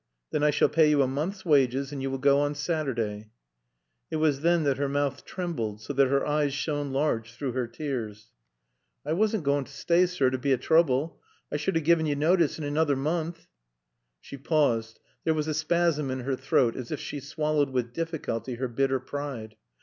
Then I shall pay you a month's wages and you will go on Saturday." It was then that her mouth trembled so that her eyes shone large through her tears. "I wasn't gawn to staay, sir to be a trooble. I sud a gien yo' nawtice in anoother moonth." She paused. There was a spasm in her throat as if she swallowed with difficulty her bitter pride.